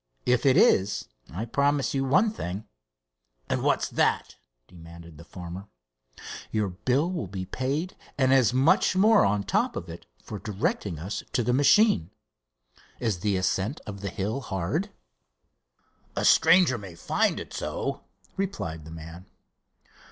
If it is, I promise you one thing." "And what's that?" demanded the farmer. "Your bill will be paid, and as much more on top of it for directing us to the machine. Is the ascent of the hill hard?" "A stranger might find it so," replied the man.